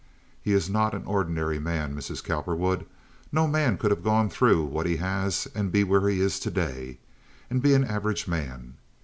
He is not an ordinary man, Mrs. Cowperwood. No man could have gone through what he has and be where he is to day, and be an average man.